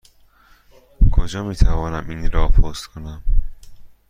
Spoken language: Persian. کجا می توانم این را پست کنم؟